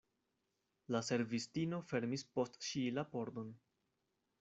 La servistino fermis post ŝi la pordon.